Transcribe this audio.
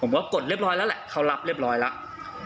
ว่ากดเรียบร้อยแล้วแหละเขารับเรียบร้อยแล้ว